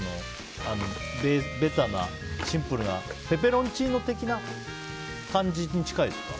ベタなシンプルなペペロンチーノ的な感じに近いですか。